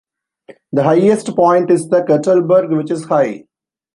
The highest point is the Kettelberg which is high.